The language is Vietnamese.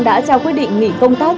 đã trao quyết định nghỉ công tác